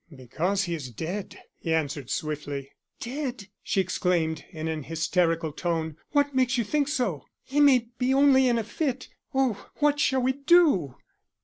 "Because he is dead," he answered swiftly. "Dead!" she exclaimed, in an hysterical tone. "What makes you think so? He may be only in a fit. Oh, what shall we do?"